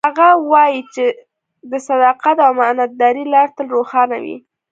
هغه وایي چې د صداقت او امانتدارۍ لار تل روښانه وي